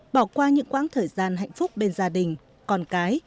bỏ qua những quãng thời gian hạnh phúc bên gia đình con cái